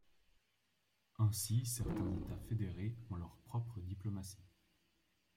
Ainsi, certains États fédérés ont leur propre diplomatie.